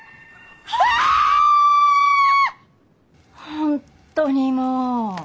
本当にもう。